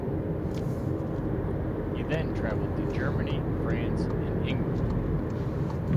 He then traveled to Germany, France, and England.